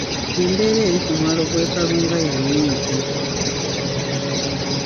Embeera eri ku mwalo gw’e Kalunga ya nnyiike.